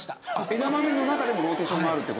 枝豆の中でもローテーションがあるって事？